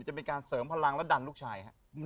จะเป็นการเสริมพลังให้ดันลูกชาย